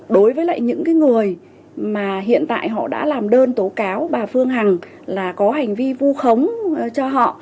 đối với lại những người mà hiện tại họ đã làm đơn tố cáo bà phương hằng là có hành vi vu khống cho họ